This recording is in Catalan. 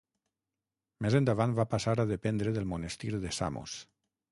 Més endavant va passar a dependre del monestir de Samos.